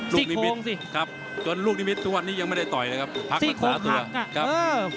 สี่คงสิครับถึงลูกนิมิทที่ตอนนี้ยังไม่ได้ต่อยค่ะทักมันซาตัว